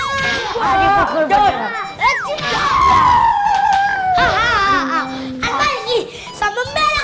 al maliki sama beri kebenaran